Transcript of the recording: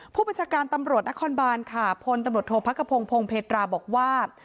ผู้บัญชาการตำรวจนครบานค่ะพลตำรวจโทษพระกระพงพงเพตราบอกว่า